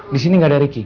disini gak ada riki